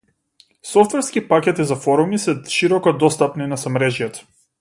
Софтверски пакети за форуми се широко достапни на семрежјето.